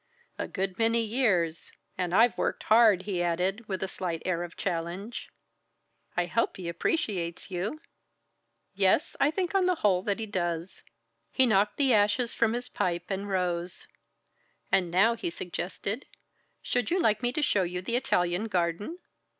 "A good many years and I've worked hard!" he added, with a slight air of challenge. "I hope he appreciates you?" "Yes, I think on the whole that he does." He knocked the ashes from his pipe and rose. "And now," he suggested, "should you like me to show you the Italian garden?"